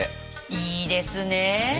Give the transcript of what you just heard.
いいですねえ。